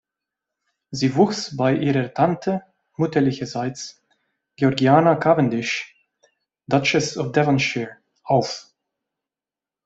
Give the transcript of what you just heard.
Sie wuchs bei ihrer Tante mütterlicherseits, Georgiana Cavendish, Duchess of Devonshire, auf.